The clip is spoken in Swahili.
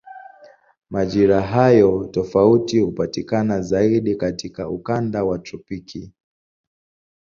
Majira hayo tofauti hupatikana zaidi katika ukanda wa tropiki.